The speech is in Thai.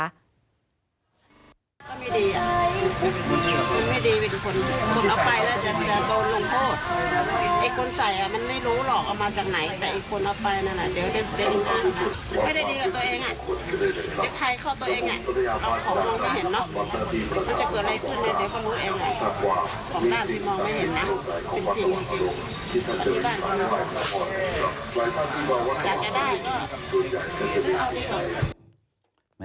แบบนี้บ้างอยากจะได้ก็เอาไปก่อน